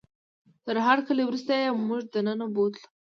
تر هرکلي وروسته یې موږ دننه بوتلو.